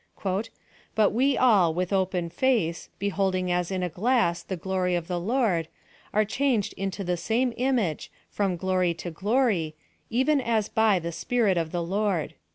" But we all, with open face, beholding as in a glass the glory of the Lord, are changed into the same image, from glory to glory, even as by the Spirit of the Lord.